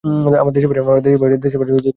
আমার দেশের বাড়ি সিলেটে।